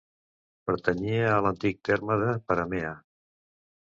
Pertanyia a l'antic terme de Peramea.